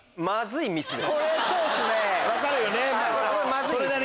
分かるよね。